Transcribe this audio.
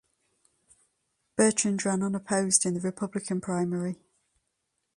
Bertrand ran unopposed in the Republican primary.